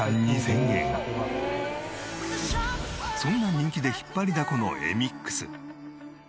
そんな人気で引っ張りだこのえみっくす。